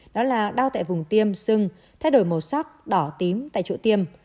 đó là đau tại vùng tiêm sưng thay đổi màu sắc đỏ tím tại chỗ tiêm